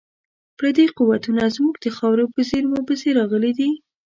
پردي قوتونه زموږ د خاورې په زیرمو پسې راغلي دي.